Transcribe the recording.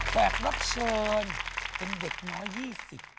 แขกรับเชิญเป็นเด็กน้อย๒๐ปี